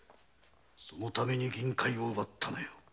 そのために銀塊を奪ったのよ。